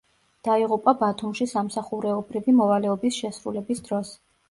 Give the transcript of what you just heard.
დაიღუპა ბათუმში სამსახურეობრივი მოვალეობის შესრულების დროს.